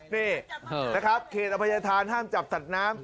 นี่นะครับเครตบายทานห้ามจับตัดน้ำ